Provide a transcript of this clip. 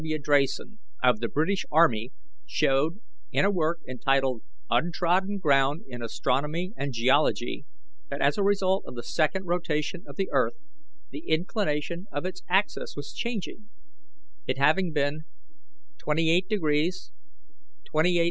W. Drayson, of the British Army, showed, in a work entitled Untrodden Ground in Astronomy and Geology, that, as a result of the second rotation of the earth, the inclination of its axis was changing, it having been 23@ 28' 23" on January 1, 1750, 23@ 27' 55.